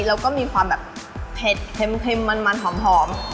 แล้วก็มีความแบบเผ็ดเค็มมันหอม